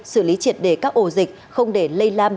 xử lý triệt đề các ổ dịch không để lây lan